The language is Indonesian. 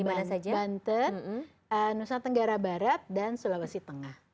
banten nusa tenggara barat dan sulawesi tengah